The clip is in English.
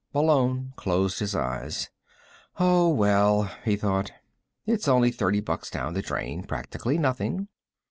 Malone closed his eyes. Oh, well, he thought. It was only thirty bucks down the drain. Practically nothing.